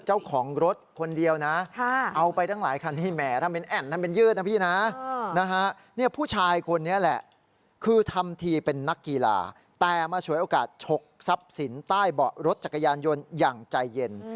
แอร์มาช่วยโอกาสชกทรัพย์สินใต้เบาะรถจักรยานยนต์อย่างใจเย็น